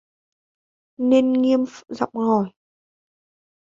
Nên Nghiêm giọng hỏi